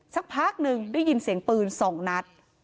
สักพักหนึ่งได้ยินเสียงปืน๒นัด